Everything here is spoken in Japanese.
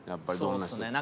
そうですね。